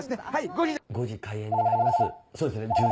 ５時開演になります。